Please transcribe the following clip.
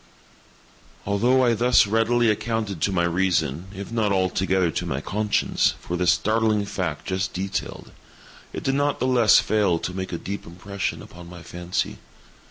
Although I thus readily accounted to my reason, if not altogether to my conscience, for the startling fact just detailed, it did not the less fail to make a deep impression upon my fancy.